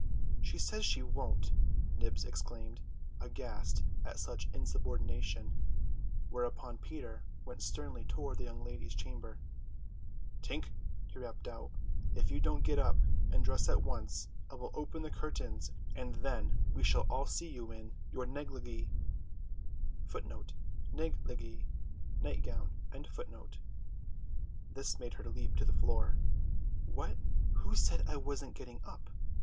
"She says she won't!" Nibs exclaimed, aghast at such insubordination, whereupon Peter went sternly toward the young lady's chamber. "Tink," he rapped out, "if you don't get up and dress at once I will open the curtains, and then we shall all see you in your negligée." This made her leap to the floor. "Who said I wasn't getting up?"